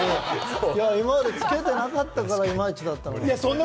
今までつけてなかったから、いまいちだったのかな？